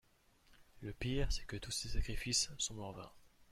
Le pire, c’est que tous ces sacrifices semblent en vain.